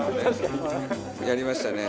やりましたね。